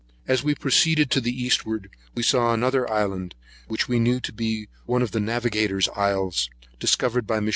As we proceeded to the eastward, we saw another island, which we knew to be one of the navigator's isles, discovered by Mons.